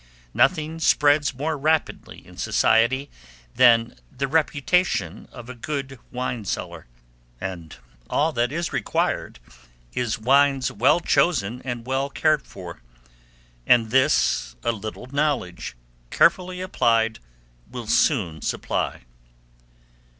Nothing spreads more rapidly in society than the reputation of a good wine cellar, and all that is required is wines well chosen and well cared for; and this a little knowledge, carefully applied, will soon supply.